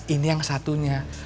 ini yang satunya